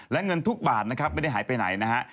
และเงินทุกบาทนะครับไม่ได้หายไปไหนนะฮะ